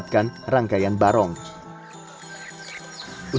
pandai pandai ya bekommtu